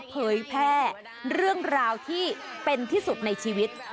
เผยแพร่เรื่องราวที่เป็นที่สุดในชีวิต